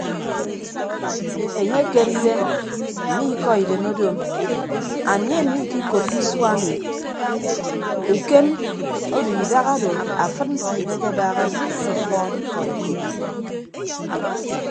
Enye ekere idem mme ikọ idem odoom anie mmikikoppo isua ami ukem odo idahado afịd nsiiñe akebaaha ke ufọọd ikọd ekop.